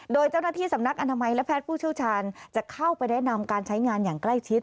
โดยเจ้าหน้าที่สำนักอนามัยและแพทย์ผู้เชี่ยวชาญจะเข้าไปแนะนำการใช้งานอย่างใกล้ชิด